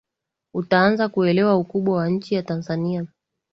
utaanza kuelewa ukubwa wa nchi ya Tanzania